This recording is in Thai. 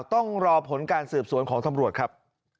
ต้องรอผลการสืบสวนของตำรวจครับ